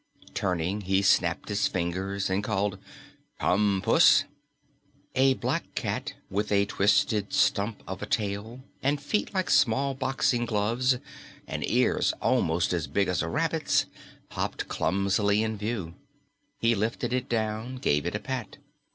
Turning, he snapped his fingers and called, "Come, puss." A black cat with a twisted stump of a tail and feet like small boxing gloves and ears almost as big as rabbits' hopped clumsily in view. He lifted it down, gave it a pat.